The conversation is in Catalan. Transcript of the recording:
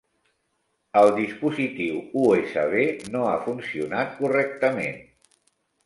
El dispositiu USB no ha funcionat correctament.